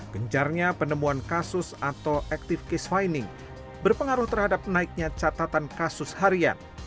gencarnya penemuan kasus atau active case fining berpengaruh terhadap naiknya catatan kasus harian